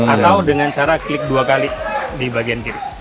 atau dengan cara klik dua kali di bagian kiri